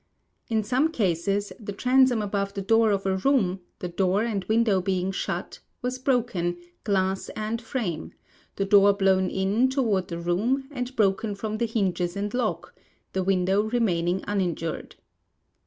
In some cases the transom above the door of a room, the door and window being shut, was broken, glass and frame, the door blown in toward the room and broken from the hinges and S MAIN ENTRANCE lock, the window remaining uninjured.